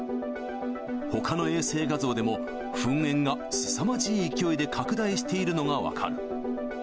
ほかの衛星画像でも、噴煙がすさまじい勢いで拡大しているのが分かる。